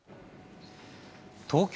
東京